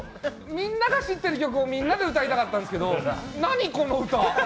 みんなが知ってる曲をみんなで歌いたかったんですけど何、この歌？